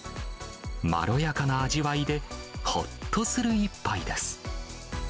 まろやかな味わいで、ほっとする一杯です。